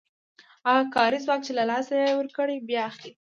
هغه کاري ځواک چې له لاسه یې ورکړی بیا اخلي